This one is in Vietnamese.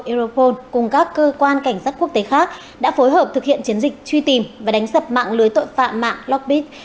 aeropol cùng các cơ quan cảnh sát quốc tế khác đã phối hợp thực hiện chiến dịch truy tìm và đánh sập mạng lưới tội phạm mạng lockpid